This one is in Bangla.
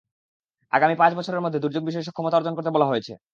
আগামী পাঁচ বছরের মধ্যে দুর্যোগ বিষয়ে সক্ষমতা অর্জন করতে বলা হয়েছে।